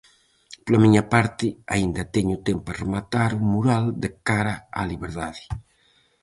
Pola miña parte, aínda teño tempo a rematar o mural de 'cara á liberdade'.